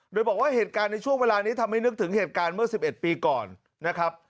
โดยบอกว่าเหตุการณ์ในช่วงเวลานี้ทำให้นึกถึงเหตุการณ์เมื่อ๑๑ปีก่อนนะครับ